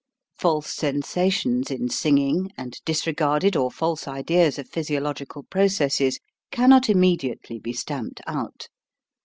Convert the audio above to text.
False sensations in singing and disregarded or false ideas of physi ological processes cannot immediately be stamped out.